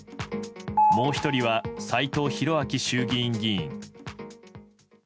もう１人は斎藤洋明衆議院議員。